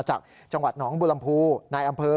จากจังหวัดหนองบุรมภูนายอำเภอ